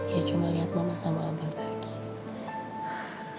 ya cuma liat mama sama abah bahagia